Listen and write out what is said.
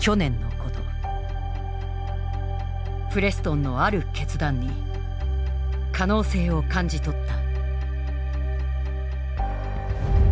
プレストンのある決断に可能性を感じ取った。